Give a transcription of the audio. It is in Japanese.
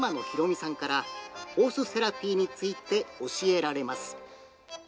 己さんから、ホースセラピーについて教えられます。